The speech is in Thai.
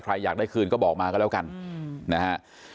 อยากได้คืนก็บอกมาก็แล้วกันนะฮะ